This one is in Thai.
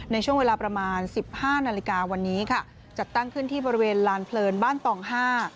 ในช่วงเวลาประมาณสิบห้านาฬิกาวันนี้ค่ะจัดตั้งขึ้นที่บริเวณลานเพลินบ้านตองห้า